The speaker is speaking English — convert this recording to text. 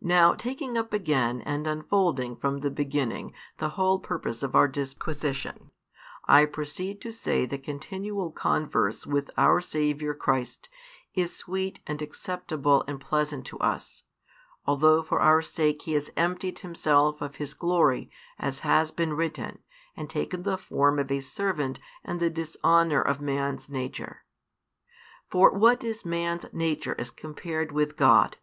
Now taking up again and unfolding from the beginning the whole purpose of our disquisition, I proceed to say that continual converse with our Saviour Christ is sweet and acceptable and pleasant to us, although for our sake He has emptied Himself of His glory, as has been written, and taken the form of a servant and the dishonour of man's nature. For what is man's nature as compared with God!